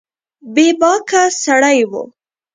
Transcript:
بې باکه سړی و